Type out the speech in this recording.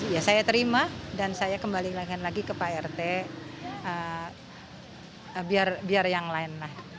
ya saya terima dan saya kembali lagi ke pak rt biar yang lain